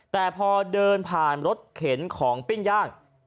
แต่พอเดินผ่านรถเข็นของปิ้งย่าง